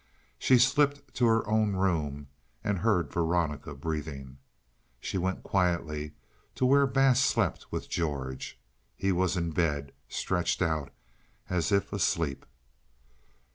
She slipped to her own room and heard Veronica breathing. She went quietly to where Bass slept with George. He was in bed, stretched out as if asleep.